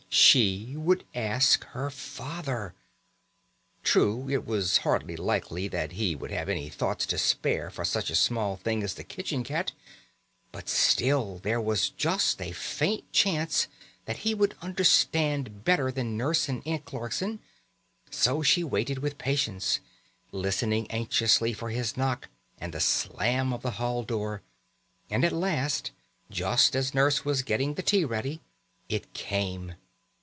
She would ask her father! True, it was hardly likely that he would have any thoughts to spare for such a small thing as the kitchen cat; but still there was just a faint chance that he would understand better than Nurse and Aunt Clarkson. So she waited with patience, listening anxiously for his knock and the slam of the hall door, and at last, just as Nurse was getting the tea ready, it came.